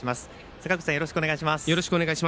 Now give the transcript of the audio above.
坂口さん、よろしくお願いします。